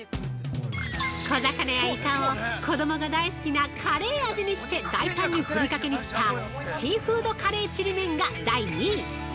小魚やイカを、子供が大好きなカレー味にして、大胆にふりかけにしたシーフードカレーちりめんが、第２位。